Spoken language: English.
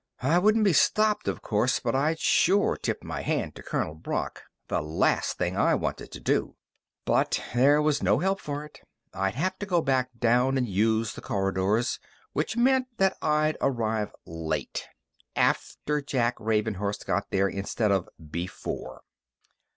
I wouldn't be stopped, of course, but I'd sure tip my hand to Colonel Brock the last thing I wanted to do. But there was no help for it. I'd have to go back down and use the corridors, which meant that I'd arrive late after Jack Ravenhurst got there, instead of before.